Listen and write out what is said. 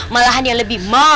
malah dia lebih mahal